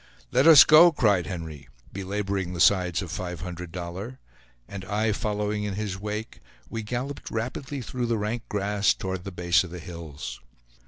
"Let us go!" cried Henry, belaboring the sides of Five Hundred Dollar; and I following in his wake, we galloped rapidly through the rank grass toward the base of the hills.